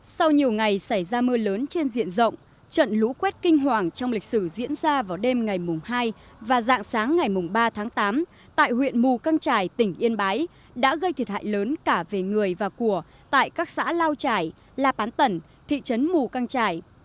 sau nhiều ngày xảy ra mưa lớn trên diện rộng trận lũ quét kinh hoàng trong lịch sử diễn ra vào đêm ngày hai và dạng sáng ngày ba tháng tám tại huyện mù căng trải tỉnh yên bái đã gây thiệt hại lớn cả về người và của tại các xã lao trải la pán tẩn thị trấn mù căng trải